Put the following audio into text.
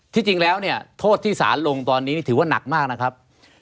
จริงแล้วเนี่ยโทษที่สารลงตอนนี้นี่ถือว่าหนักมากนะครับ